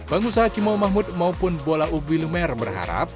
bang usaha cimau mahmud maupun bola ubi lumer berharap